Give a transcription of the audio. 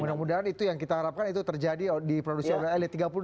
mudah mudahan itu yang kita harapkan itu terjadi di produksi oleh elit